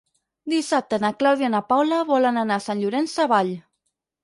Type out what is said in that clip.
Dissabte na Clàudia i na Paula volen anar a Sant Llorenç Savall.